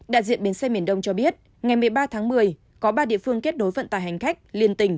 đại diện bến xe miền đông cho biết ngày một mươi ba tháng một mươi có ba địa phương kết nối vận tải hành khách liên tỉnh